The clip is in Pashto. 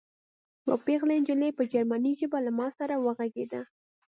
یوه پېغله نجلۍ په جرمني ژبه له ما سره وغږېده